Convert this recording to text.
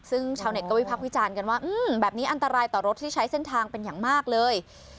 ซึ่งชาวเน็ตก็วิพักษ์วิจารณ์กันว่าแบบนี้อันตรายต่อรถที่ใช้เส้นทางเป็นอย่างมากเลย